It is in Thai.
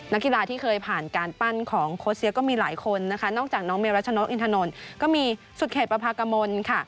นักกีฬาที่เคยผ่านการปั้นของโค้ชเซียก็มีหลายคนนะคะนอกจากน้องเมรัชนกอินทนนท์ก็มีสุดเขตประพากมลค่ะ